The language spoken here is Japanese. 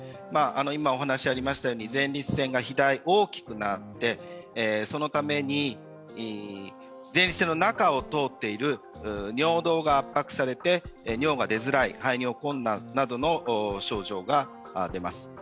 今、お話にありましたように前立腺が肥大、大きくなって、そのために前立腺の中を通っている尿道が圧迫されて尿が出づらい排尿困難などの症状が出ます。